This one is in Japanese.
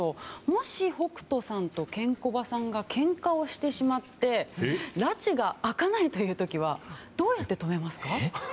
もし北斗さんとケンコバさんがけんかをしてしまってらちが明かないという時はどうやって止めますか？